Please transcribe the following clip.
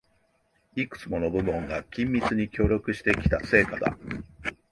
いくつもの部門が緊密に協力してきた成果だ